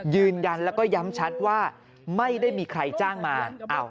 ยืนยันแล้วก็ย้ำชัดว่าไม่ได้มีใครจ้างมา